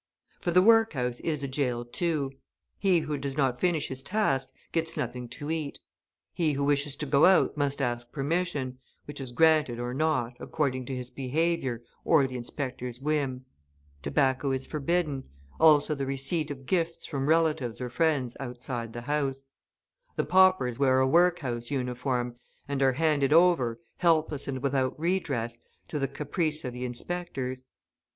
For the workhouse is a jail too; he who does not finish his task gets nothing to eat; he who wishes to go out must ask permission, which is granted or not, according to his behaviour or the inspector's whim, tobacco is forbidden, also the receipt of gifts from relatives or friends outside the house; the paupers wear a workhouse uniform, and are handed over, helpless and without redress, to the caprice of the inspectors.